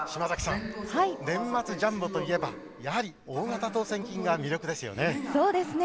年末ジャンボといえば大型当せん金が魅力ですね。